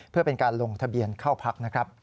เพื่อเป็นการลงทะเบียนเข้าพัก